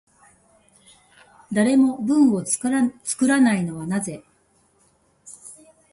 誰も文を作らないのはなぜ？